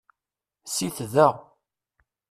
Sit da.